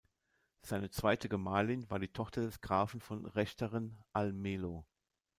Seine zweite Gemahlin war die Tochter des Grafen von Rechteren-Almelo.